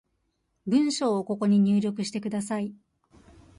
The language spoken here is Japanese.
文章をここに入力してください